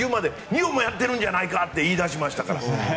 日本もやっているんじゃないかって言い出しましたから。